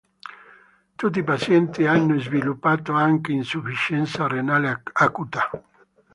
Tutti i pazienti hanno sviluppato anche insufficienza renale acuta.